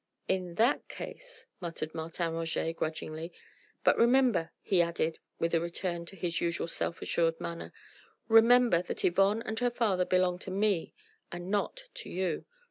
"In that case ..." muttered Martin Roget grudgingly. "But remember," he added with a return to his usual self assured manner, "remember that Yvonne and her father belong to me and not to you.